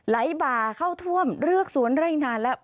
บ่าเข้าท่วมเรือกสวนไร่นานแล้ว